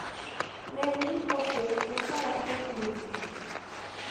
Merlin posee un carácter lúdico.